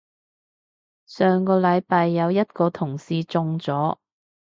上個禮拜有一個同事中咗